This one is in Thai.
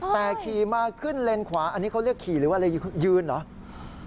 แต่ขี่มาขึ้นเลนขวาอันนี้เขาเรียกขี่หรือว่าอะไรยืนเหรอ